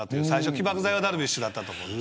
起爆剤はダルビッシュだった。